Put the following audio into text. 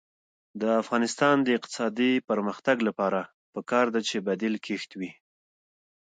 د افغانستان د اقتصادي پرمختګ لپاره پکار ده چې بدیل کښت وي.